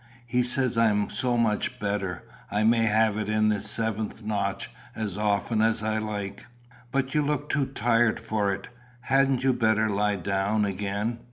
He says I am so much better, I may have it in the seventh notch as often as I like." "But you look too tired for it. Hadn't you better lie down again?"